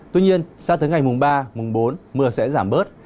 tuy nhiên sang tới ngày mùng ba mùng bốn mưa sẽ giảm bớt